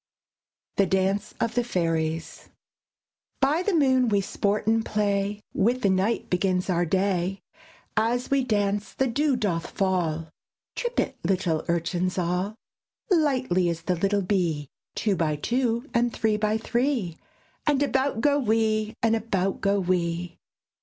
THE DANCE OF THE FAIRIES By the moon we sport and play, With the night begins our day; As we dance, the dew doth fall Trip it, little Urchins all, Lightly as the little bee, Two by two, and three by three; And about go we! And about go we!